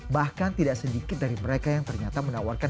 bahkan tidak sedikit dari mereka yang ternyata menawarkan